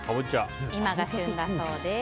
今が旬だそうです。